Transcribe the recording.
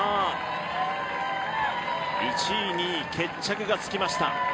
１位、２位決着がつきました。